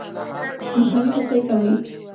د مخنیوي هڅه یې کوي.